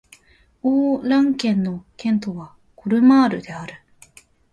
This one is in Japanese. オー＝ラン県の県都はコルマールである